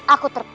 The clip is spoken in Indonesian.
aku menipu ama